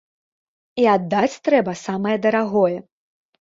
І аддаць трэба самае дарагое.